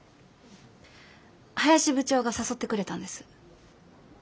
林部長が誘ってくれたんです。